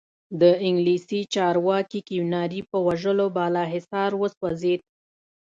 د انګلیسي چارواکي کیوناري په وژلو بالاحصار وسوځېد.